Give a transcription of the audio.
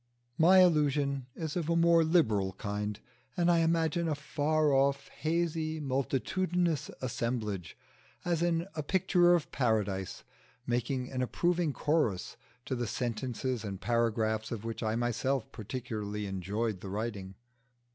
My illusion is of a more liberal kind, and I imagine a far off, hazy, multitudinous assemblage, as in a picture of Paradise, making an approving chorus to the sentences and paragraphs of which I myself particularly enjoy the writing.